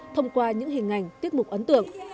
thông qua những hình ảnh tiết mục ấn tượng